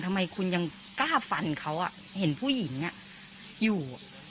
ทำไมคุณยังกล้าฟันเขาเห็นผู้หญิงอยู่